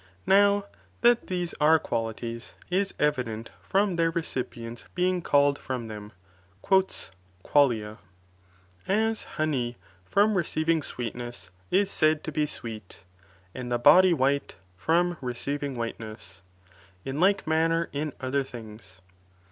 Now that these are qualities, is evident from their recipients being called from them, "qua lia," ' as honey from receiving sweetness, ia said to be sweet, and the body white, from receiving whiteness ; in like manner in other things.